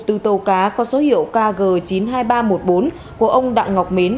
từ tàu cá có số hiệu kg chín mươi hai nghìn ba trăm một mươi bốn của ông đặng ngọc mến